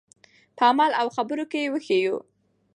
په عمل او خبرو کې یې وښیو.